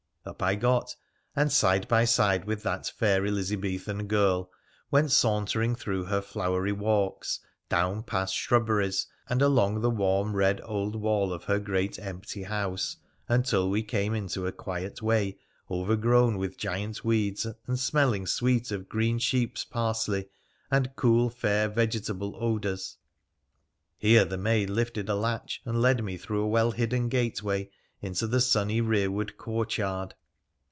Up I got, and, side by side with that fair Elizabethan girl, went sauntering through her flowery walks, down past shrubberies and along the warm red old wall of her great empty house, until we came into a quiet way overgrown with giant weeds and smelling sweet of green sheep's parsley and cool fair vegetable odours. Here the maid lifted a latch, and led me through a well hidden gateway into the sunny rearward courtyard.